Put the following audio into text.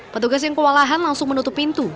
petugas yang kewalahan langsung menutup pintu